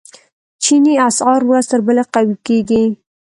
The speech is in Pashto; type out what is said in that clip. چیني اسعار ورځ تر بلې قوي کیږي.